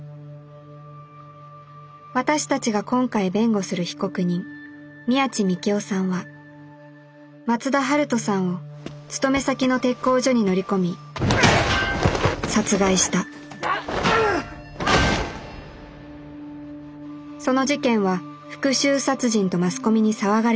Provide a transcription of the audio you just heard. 私たちが今回弁護する被告人宮地幹雄さんは松田晴登さんを勤め先の鉄工所に乗り込み殺害したその事件は復讐殺人とマスコミに騒がれている。